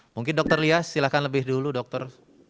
mungkin dr lia silakan lebih dulu dokter